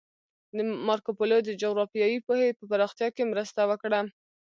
مارکوپولو د جغرافیایي پوهې په پراختیا کې مرسته وکړه.